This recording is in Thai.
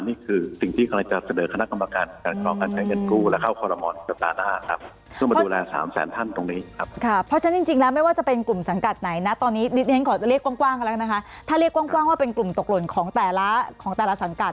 นี่คือสิ่งที่กำลังจะเสด็จคณะกรรมการ